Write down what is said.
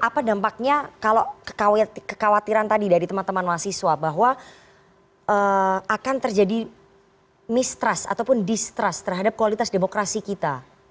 apa dampaknya kalau kekhawatiran tadi dari teman teman mahasiswa bahwa akan terjadi mistrust ataupun distrust terhadap kualitas demokrasi kita